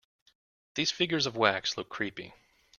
These figures of wax look creepy.